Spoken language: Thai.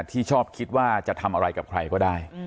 ที่ชอบคิดว่าจะทำอะไรกับใครก็ได้